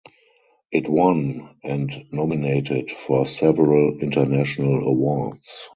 It won and nominated for several international awards.